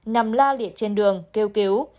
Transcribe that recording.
nằm la liệt trên đường kêu cứu